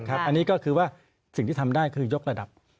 อันนี้ก็คือว่าสิ่งที่ทำได้คือยกระดับ